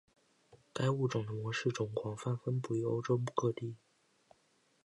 该物种的模式种广泛分布于欧洲各地。